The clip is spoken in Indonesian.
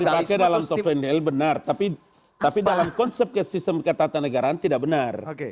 kalau dipakai dalam taufan niel benar tapi dalam konsep sistem ketatanegaraan tidak benar